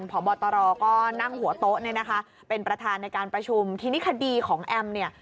พบตรก็นั่งหัวโต๊ะเนี่ยนะคะเป็นประธานในการประชุมทีนี้คดีของแอมเนี่ย